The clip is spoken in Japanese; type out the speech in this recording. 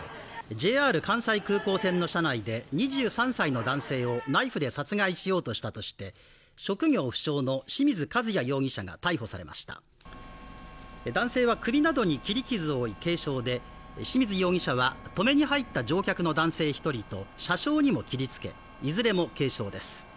ＪＲ関西空港線の車内で２３歳の男性をナイフで殺害しようとしたとして職業不詳の清水和也容疑者が逮捕されました男性は首などに切り傷を負い軽傷で清水容疑者は止めに入った乗客の男性一人と車掌にも切りつけいずれも軽傷です